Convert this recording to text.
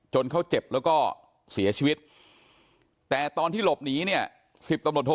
เขาเจ็บแล้วก็เสียชีวิตแต่ตอนที่หลบหนีเนี่ย๑๐ตำรวจโท